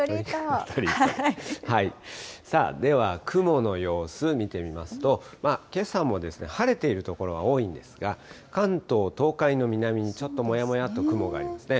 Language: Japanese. では、雲の様子、見てみますと、けさも晴れている所が多いんですが、関東、東海の南にちょっともやもやっと雲がありますね。